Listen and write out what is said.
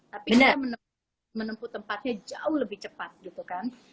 tapi dia menempuh tempatnya jauh lebih cepat gitu kan